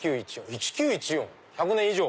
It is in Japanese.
１９１４⁉１００年以上！